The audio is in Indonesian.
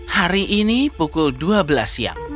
hari ini pukul dua belas siang